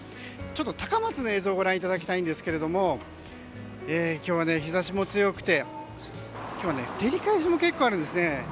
ちょっと高松の映像をご覧いただきたいんですけど今日は日差しも強くて照り返しも結構あるんですね。